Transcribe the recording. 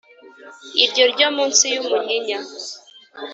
iryo ryo munsi y’umunyinya.